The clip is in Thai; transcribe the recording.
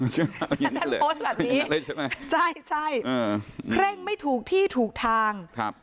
ใช่มั้ยใช่ใช่เออเร่งไม่ถูกที่ถูกทางครับ